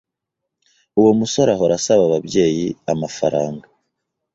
Uwo musore ahora asaba ababyeyi amafaranga.